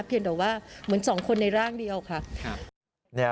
เพียงแต่ว่าเหมือนสองคนในร่างเดียวค่ะ